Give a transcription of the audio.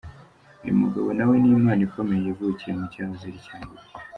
Uyu mugabo nawe ni impano ikomeye yavukiye mu cyahoze ari Cyangugu.